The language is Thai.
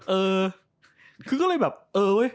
เออคือก็เลยแบบเออเว้ย